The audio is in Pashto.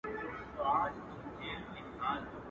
دا آخره زمانه ده په پیمان اعتبار نسته..